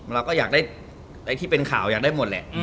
เราก็อยากได้ที่เป็นข่าวอยากได้หมดแหละ